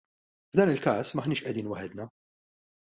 F'dan il-każ m'aħniex qegħdin waħedna.